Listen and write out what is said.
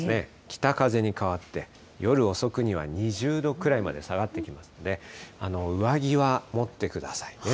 北風に変わって、夜遅くには２０度くらいまで下がってきますので、上着は持ってくださいね。